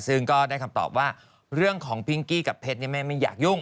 ซึ่งก็ได้คำตอบว่าเรื่องของพิงกี้กับเพชรแม่ไม่อยากยุ่ง